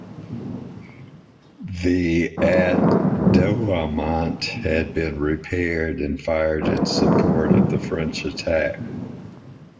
The at Douaumont had been repaired and fired in support of the French attack.